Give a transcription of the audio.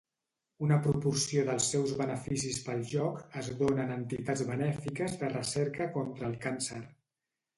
Una proporció dels seus beneficis pel joc es donen a entitats benèfiques de recerca contra el càncer.